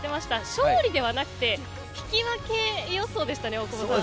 勝利ではなくて、引き分け予想でしたね、大久保さん。